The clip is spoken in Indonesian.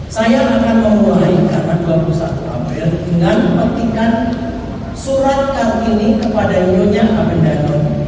saya akan memulai karena dua puluh satu april dengan memetikan surat kartini kepada ionya abedan